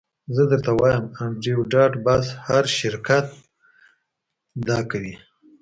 زه درته وایم انډریو ډاټ باس هر شرکت دا کوي